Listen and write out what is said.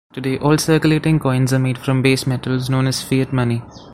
Today all circulating coins are made from base metals, known as fiat money.